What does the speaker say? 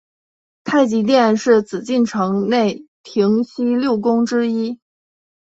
太极殿是紫禁城内廷西六宫之一。